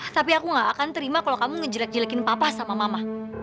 tapi aku gak akan terima kalau kamu ngejelek jelekin papa sama mama